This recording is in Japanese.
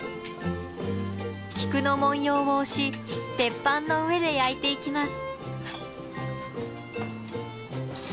菊の紋様を押し鉄板の上で焼いていきます。